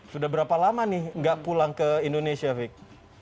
sudah berapa lama nih nggak pulang ke indonesia fik